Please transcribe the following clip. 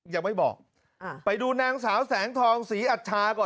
ยังไม่บอกอ่าไปดูนางสาวแสงทองศรีอัชชาก่อน